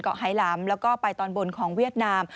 เกาะไหล่หลามแล้วก็ไปตอนบนของเวียดนาม